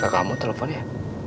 kekamu telepon ya